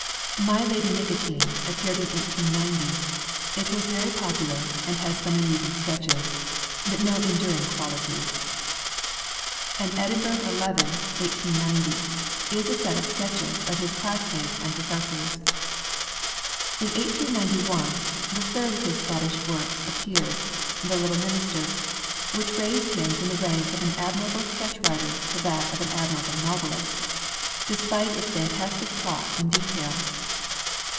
'My Lady Nicotine' appeared in 1890; it was very popular, and has some amusing sketches, but no enduring quality. 'An Edinburgh Eleven' (1890) is a set of sketches of his classmates and professors. In 1891 the third of his Scotch works appeared, 'The Little Minister,' which raised him from the rank of an admirable sketch writer to that of an admirable novelist, despite its fantastic plot and detail.